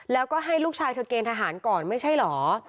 แล้วก็ให้ลูกชายเธอเกณฑหารก่อนไม่ใช่เหรอ